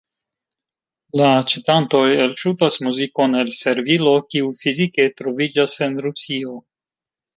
La aĉetantoj elŝutas muzikon el servilo, kiu fizike troviĝas en Rusio.